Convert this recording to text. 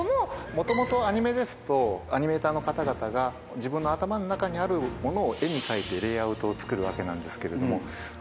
元々アニメですとアニメーターの方々が自分の頭の中にあるものを絵に描いてレイアウトを作るわけなんですけれども。